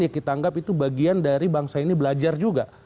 ya kita anggap itu bagian dari bangsa ini belajar juga